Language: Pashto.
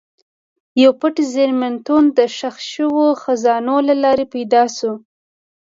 یو پټ زېرمتون د ښخ شوو خزانو له لارې پیدا شو.